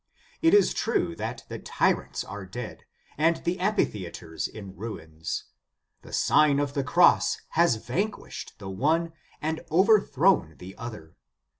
It is true, that the tryants are dead, and the amphitheatres in ruins. The Sign of the Cross has vanquished the one and overthrown the other.